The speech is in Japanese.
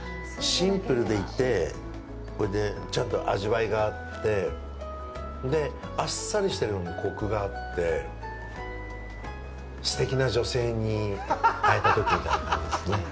シンプルでいてちゃんと味わいがあってあっさりしてるのにコクがあってすてきな女性に会えたときみたいな感じですね。